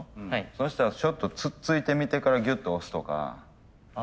そしたらちょっとつっついてみてからギュッと押すとか。